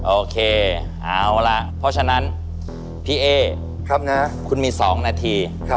โอเคเอาละเพราะฉะนั้นพี่เอ๊คุณมี๒นาที